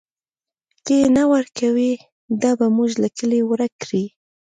که یې نه ورکوئ، دا به موږ له کلي ورک کړي.